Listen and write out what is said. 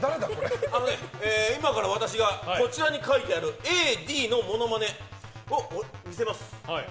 今から私がこちらに書いてあるＡからＤのモノマネを見せます。